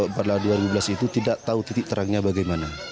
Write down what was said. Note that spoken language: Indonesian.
pada dua ribu sebelas itu tidak tahu titik terangnya bagaimana